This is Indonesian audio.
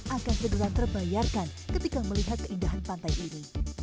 akan segera terbayarkan ketika melihat keindahan pantai ini